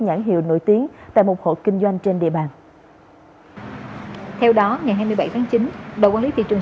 nhãn hiệu nổi tiếng tại một hộ kinh doanh trên địa bàn theo đó ngày hai mươi bảy tháng chín đội quản lý thị trường